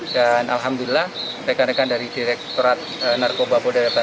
dan alhamdulillah rekan rekan dari direkturat narkoba bodaya banten